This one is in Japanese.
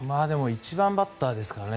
１番バッターですからね。